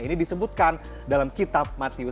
ini disebutkan dalam kitab matius